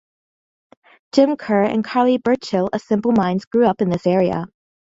Jim Kerr and Charlie Burchill of Simple Minds grew up in this area.